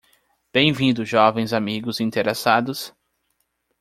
Bem-vindo jovens amigos interessados